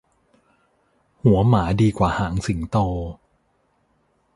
หัวหมาดีกว่าหางสิงโต